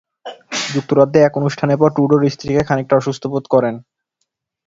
যুক্তরাজ্যে এক অনুষ্ঠানের পর ট্রুডোর স্ত্রী কে খানিকটা অসুস্থ বোধ করেন?